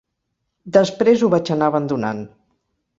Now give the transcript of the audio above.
Després ho vaig anar abandonant.